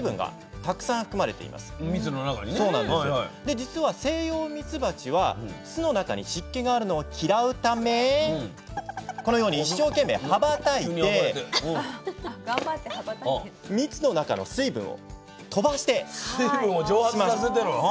実はセイヨウミツバチは巣の中に湿気があるのを嫌うためこのように一生懸命羽ばたいて蜜の中の水分を飛ばします。